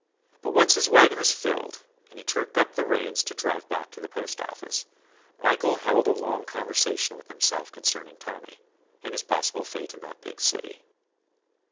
But once his wagon was filled, and he took up the reins to drive back to the postoffice, Michael held a long conversation with himself concerning Tommy, and his possible fate in that big city.